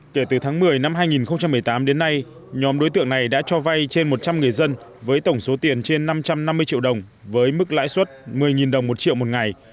kể từ tháng một mươi năm hai nghìn một mươi tám đến nay nhóm đối tượng này đã cho vay trên một trăm linh người dân với tổng số tiền trên năm trăm năm mươi triệu đồng với mức lãi suất một mươi đồng một triệu một ngày